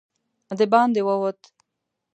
د باندې ووت.